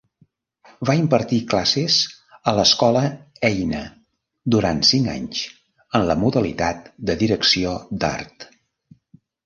Va impartir classes a l'Escola Eina durant cinc anys en la modalitat de Direcció d'Art.